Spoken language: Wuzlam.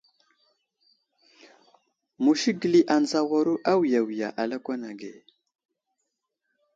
Musi gəli anzawaru awiya wiya a lakwan age.